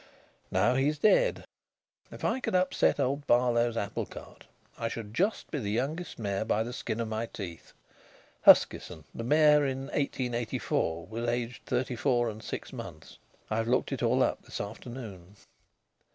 Now he's dead. If I could upset old Barlow's apple cart I should just be the youngest mayor by the skin of my teeth. Huskinson, the mayor in 1884, was aged thirty four and six months. I've looked it all up this afternoon."